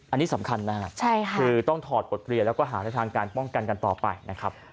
อันนี้สำคัญนะครับคือต้องถอดบทเรียนแล้วก็หาในทางการป้องกันกันต่อไปนะครับ